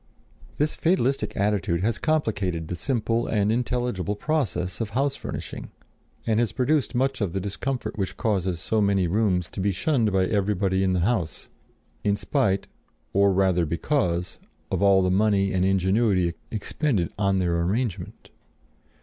This fatalistic attitude has complicated the simple and intelligible process of house furnishing, and has produced much of the discomfort which causes so many rooms to be shunned by everybody in the house, in spite (or rather because) of all the money and ingenuity expended on their arrangement.